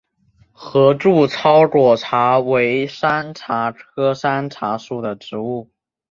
合柱糙果茶为山茶科山茶属的植物。